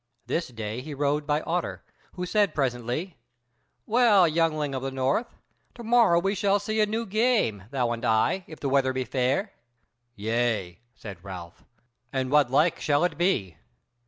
This day he rode by Otter, who said presently: "Well, youngling of the North, to morrow we shall see a new game, thou and I, if the weather be fair." "Yea," said Ralph, "and what like shall it be?"